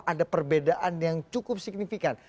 ada perbedaan yang cukup signifikan